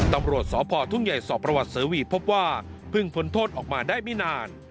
ตำรวจสพทุ่งใหญ่สอบประวัติเสวีพบว่าเพิ่งพ้นโทษออกมาได้ไม่นาน